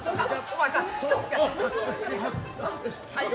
はい。